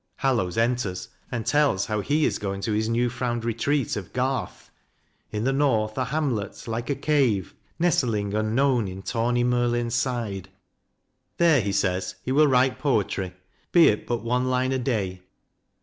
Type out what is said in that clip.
Hallowes enters and tells how he is going to his new found retreat of Garth, In the North, a hamlet like a cave, Nestling unknown in tawny Merlin's side. There, he says, he will write poetry, be it but one line a day.